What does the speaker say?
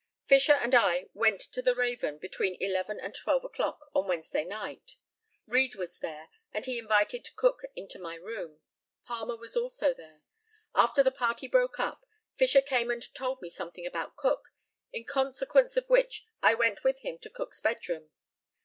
Fisher and I went to the Raven between eleven and twelve o'clock on Wednesday night. Read was there, and he invited Cook into my room. Palmer was also there. After the party broke up, Fisher came and told me something about Cook, in consequence of which I went with him to Cook's bedroom.